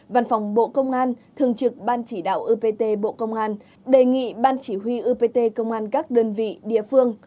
văn phòng bộ công an thường trực ban chỉ đạo upt bộ công an đề nghị ban chỉ huy upt công an các đơn vị địa phương